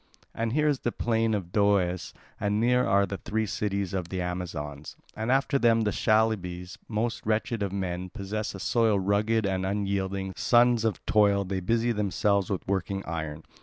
And here is the plain of Doeas, and near are the three cities of the Amazons, and after them the Chalybes, most wretched of men, possess a soil rugged and unyielding sons of toil, they busy themselves with working iron.